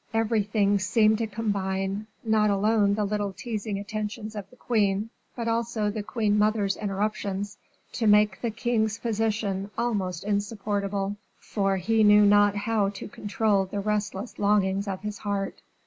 Everything seemed to combine not alone the little teasing attentions of the queen, but also the queen mother's interruptions to make the king's position almost insupportable; for he knew not how to control the restless longings of his heart.